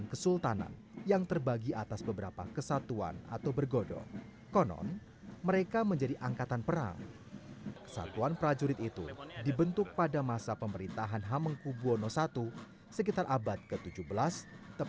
kota inggris telah berpengalaman dengan pemain gamelan tersebut